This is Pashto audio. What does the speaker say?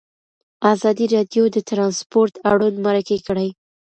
ازادي راډیو د ترانسپورټ اړوند مرکې کړي.